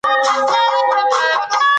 ببۍ کره تګ د کورنۍ پرېکړه وه.